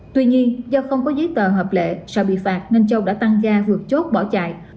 tuy nhiên do không có giấy tờ hợp lệ sợ bị phạt nên châu đã tăng gia vượt chốt bỏ chạy